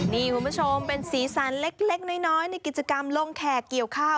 นี่คุณผู้ชมเป็นสีสันเล็กน้อยในกิจกรรมลงแขกเกี่ยวข้าว